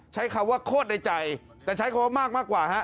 ใช้คำว่าโคตรในใจแต่ใช้คำว่ามากกว่าฮะ